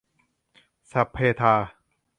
สัพพะทา